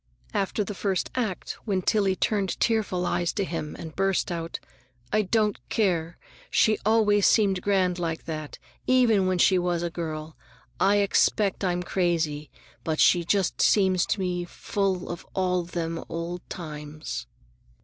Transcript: After the first act, when Tillie turned tearful eyes to him and burst out, "I don't care, she always seemed grand like that, even when she was a girl. I expect I'm crazy, but she just seems to me full of all them old times!"